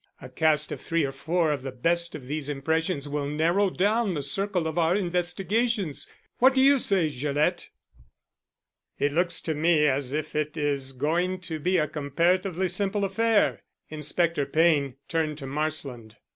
A cast of three or four of the best of these impressions will narrow down the circle of our investigations. What do you say, Gillett?" "It looks to me as if it is going to be a comparatively simple affair." Inspector Payne turned to Marsland.